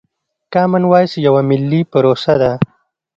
کامن وايس يوه ملي پروسه ده.